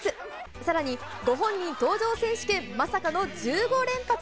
さらにご本人登場選手権、まさかの１５連発。